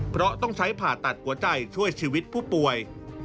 เพราะต้องใช้ผ่าตัดหัวใจช่วยชีวิตผู้ป่วย